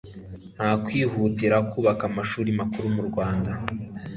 nta kwihutira kubaka amashuri makuru mu rwanda